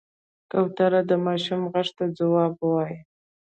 کوتره د ماشوم غږ ته ځواب وايي.